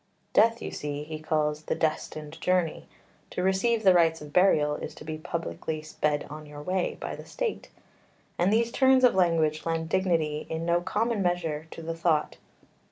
Death, you see, he calls the "destined journey"; to receive the rites of burial is to be publicly "sped on your way" by the State. And these turns of language lend dignity in no common measure to the thought.